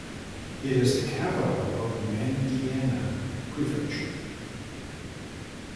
It is the capital of Mandiana Prefecture.